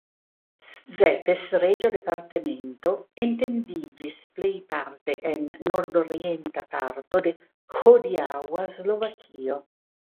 Szepes reĝa departemento etendiĝis plejparte en nordorienta parto de hodiaŭa Slovakio.